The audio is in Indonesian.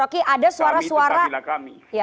kami itu kafilah kami